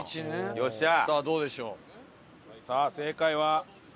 よっしゃー！